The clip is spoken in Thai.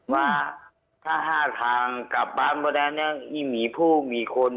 ว่าถ้าห้าทางกลับบ้านแล้วนะมีผู้มีคน